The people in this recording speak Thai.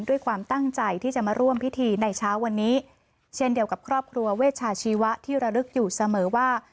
ด้วยความตั้งใจที่จะมาร่วมพิธีในเช้าวันนี้เช่นเดียวกับครอบครัวเวชาชีวะที่ระลึกอยู่เสมอว่า